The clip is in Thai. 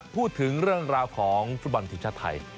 พูดถึงเรื่องราวของฟุตบอลทีมชาติไทย